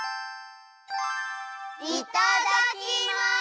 いただきます！